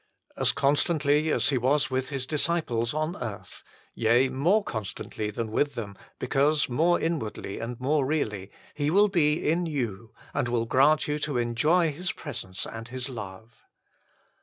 As con stantly as He was with His disciples on earth yea, more constantly than with them, because more inwardly and more really He will be in you and will grant you to enjoy His presence and His love.